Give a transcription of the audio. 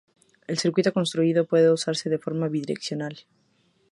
El circuito construido puede usarse de forma bidireccional.